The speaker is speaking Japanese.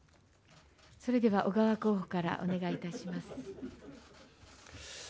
それでは小川候補からお願いいたします。